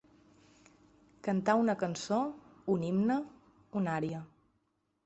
Cantar una cançó, un himne, una ària.